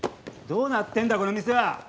どうなってんだこの店は？